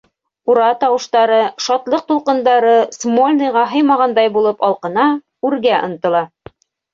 Ура тауыштары, шатлыҡ тулҡындары Смольныйға һыймағандай булып алҡына, үргә ынтыла.